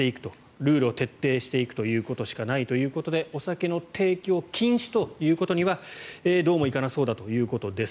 ルールを徹底していくということしかないということでお酒の提供禁止ということにはどうもいかなそうだということです。